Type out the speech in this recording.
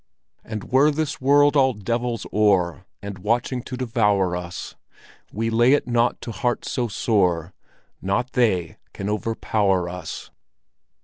"And were this world all devils o'er, And watching to devour—us, We lay it not to heart so sore; Not they can overpower us."